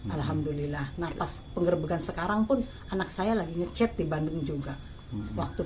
alhamdulillah nah pas pengerebekan sekarang pun anak saya lagi ngecet di bandung juga waktu